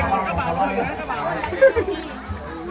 สวัสดีครับ